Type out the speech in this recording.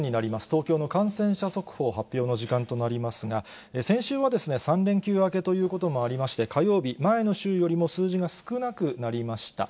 東京の感染者速報発表の時間となりますが、先週は、３連休明けということもありまして、火曜日、前の週よりも数字が少なくなりました。